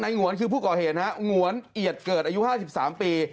หงวนคือผู้ก่อเหตุฮะหงวนเอียดเกิดอายุ๕๓ปี